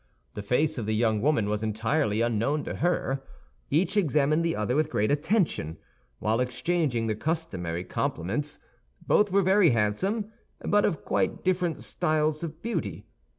The face of the young woman was entirely unknown to her. Each examined the other with great attention, while exchanging the customary compliments; both were very handsome, but of quite different styles of beauty.